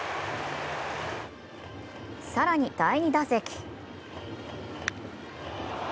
更に第２打席。